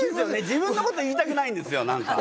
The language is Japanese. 自分のこと言いたくないんですよ何か。